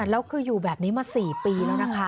แล้วคืออยู่แบบนี้มา๔ปีแล้วนะคะ